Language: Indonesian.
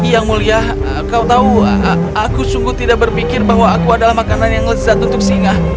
yang mulia kau tahu aku sungguh tidak berpikir bahwa aku adalah makanan yang lezat untuk singa